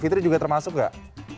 fitri juga termasuk nggak